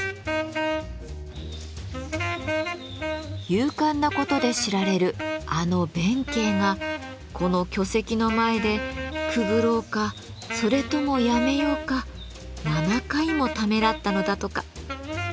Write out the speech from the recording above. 勇敢なことで知られるあの弁慶がこの巨石の前でくぐろうかそれともやめようか７回もためらったのだとか。